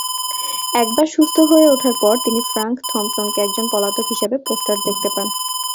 একবার সুস্থ হয়ে ওঠার পর, তিনি ফ্রাঙ্ক থম্পসনকে একজন পলাতক হিসেবে পোস্টার দেখতে পান।